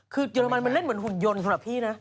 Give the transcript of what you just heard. คือเยอรมันมันเล่นเหมือนหุ่นยนต์สำหรับพี่นะ